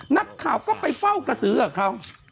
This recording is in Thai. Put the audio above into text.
นักข่าวก็ไปเฝ้ากระสือกับเขา